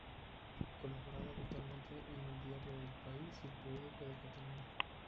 Colaboraba habitualmente en el diario "El País" y "El Periódico de Catalunya".